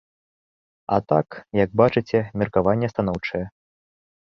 А так, як бачыце, меркаванне станоўчае.